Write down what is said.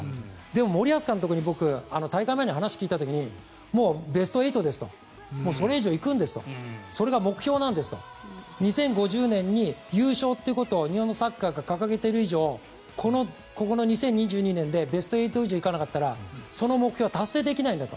森保監督に僕、大会前に話を聞いた時にベスト８ですとそれ以上行くんですとそれが目標なんですと２０５０年に優勝ということを日本のサッカーが掲げている以上ここの２０２２年でベスト８以上に行かなかったらその目標は達成できないと。